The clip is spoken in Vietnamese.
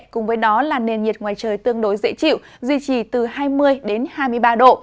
cùng với đó là nền nhiệt ngoài trời tương đối dễ chịu duy trì từ hai mươi hai mươi ba độ